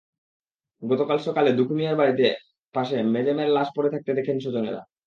গতকাল সকালে দুখু মিয়ার বাড়ির পাশে মাজেমের লাশ পড়ে থাকতে দেখেন স্বজনেরা।